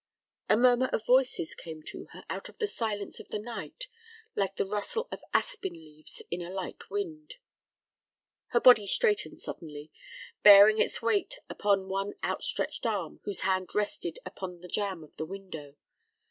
A murmur of voices came to her out of the silence of the night, like the rustle of aspen leaves in a light wind. Her body straightened suddenly, bearing its weight upon one out stretched arm whose hand rested against the jamb of the window.